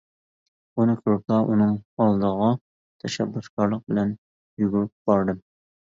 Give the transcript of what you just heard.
ئۇنى كۆرۈپلا ئۇنىڭ ئالدىغا تەشەببۇسكارلىق بىلەن يۈگۈرۈپ باردىم.